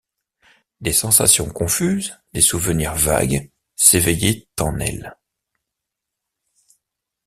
Des sensations confuses, des souvenirs vagues s’éveillaient en elle.